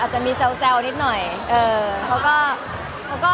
มันเป็นเรื่องน่ารักที่เวลาเจอกันเราต้องแซวอะไรอย่างเงี้ย